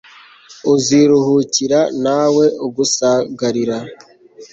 uziruhukira nta we ugusagarira